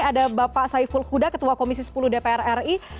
ada bapak saiful huda ketua komisi sepuluh dpr ri